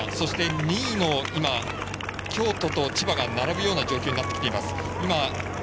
２位の京都と千葉が並ぶような状況になっています。